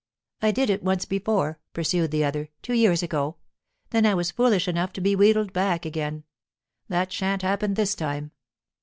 "I did it once before," pursued the other, "two years ago. Then I was foolish enough to be wheedled back again. That shan't happen this time."